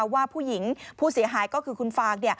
ว่าผู้หญิงผู้เสียหายก็คือคุณฟาง